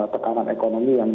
tekanan ekonomi yang